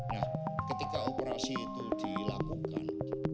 nah ketika operasi itu dilakukan